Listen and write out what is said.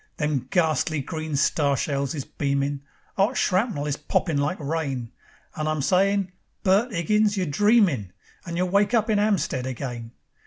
Them gharstly green star shells is beamin', 'Ot shrapnel is poppin' like rain, And I'm sayin': "Bert 'Iggins, you're dreamin', And you'll wake up in 'Ampstead again.